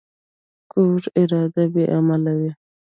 کوږه اراده بې عمله وي